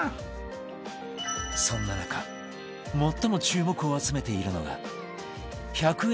そんな中最も注目を集めているのが１００円